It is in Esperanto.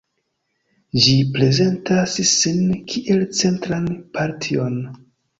Ĝi prezentas sin kiel centran partion.